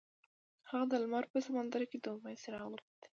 هغه د لمر په سمندر کې د امید څراغ ولید.